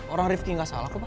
orang riffky gak salah kok pak